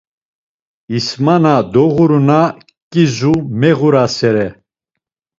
İsmana doğuruna Ǩizu meğurasere.